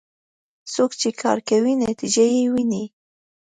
څوک چې کار کوي، نتیجه یې ويني.